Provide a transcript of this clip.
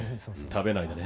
食べないでね。